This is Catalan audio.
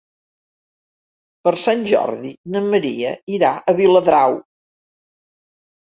Per Sant Jordi na Maria irà a Viladrau.